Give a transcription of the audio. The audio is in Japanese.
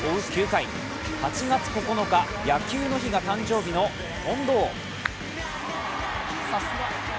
９回、８月９日野球の日が誕生日の近藤。